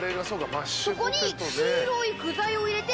そこに黄色い具材を入れて。